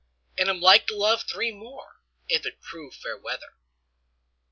And am like to love three more, If it prove fair weather.